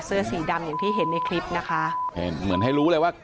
เสื้อสีดำอย่างที่เห็นในคลิปนะคะเห็นเหมือนให้รู้เลยว่า